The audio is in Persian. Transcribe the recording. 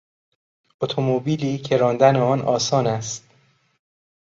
اتومبیلی که راندن آن آسان است